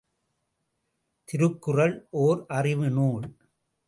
திருக்குறள் ஓர் அறிவு நூல்.